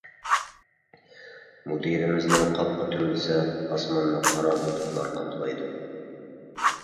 مۇدىرىمىزنىڭ قاپىقى تۈرۈلسە ئاسماننى قارا بۇلۇتلار قاپلايدۇ.